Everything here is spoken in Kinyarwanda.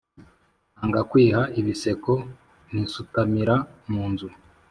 Nanga kwiha ibiseko nkisutamira mu nzu!